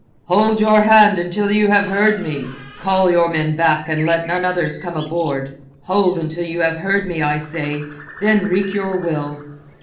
"Hold your hand until you have heard me! Call your men back and let none others come aboard! Hold until you have heard me, I say, then wreak your will."